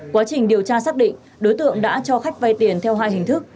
quá trình điều tra xác định đối tượng đã cho khách vay tiền theo hai hình thức